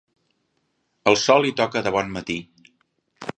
El sol hi toca de bon matí.